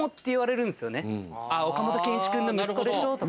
岡本健一君の息子でしょ？とか。